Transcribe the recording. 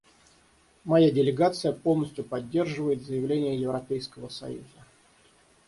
Моя делегация полностью поддерживает заявление Европейского союза.